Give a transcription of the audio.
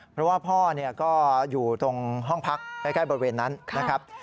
เพราะว่าพ่อก็อยู่ตรงห้องพักใกล้บริเวณนั้นนะครับ